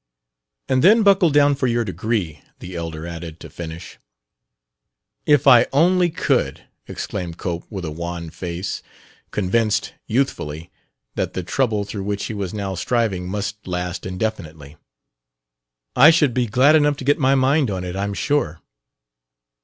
"And then buckle down for your degree," the elder added, to finish. "If I only could!" exclaimed Cope, with a wan face, convinced, youthfully, that the trouble through which he was now striving must last indefinitely. "I should be glad enough to get my mind on it, I'm sure."